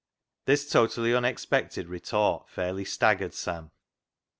This totally unexpected retort fairly stag gered Sam.